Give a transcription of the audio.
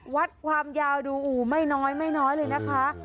วัดความยาวดูไม่น้อยเลยนะคะ